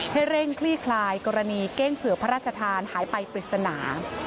เร่งคลี่คลายกรณีเก้งเผือกพระราชทานหายไปปริศนา